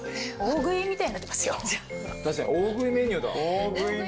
確かに大食いメニューだ。